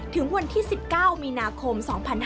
ถึงวันที่๑๙มีนาคม๒๕๕๙